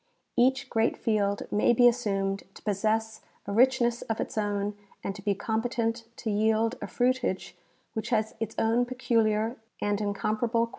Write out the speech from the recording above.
Each great field may be assumed to possess a richness of its own and to be competent to yield a fruitage Avhich has its own peculiar and incomparable qualities.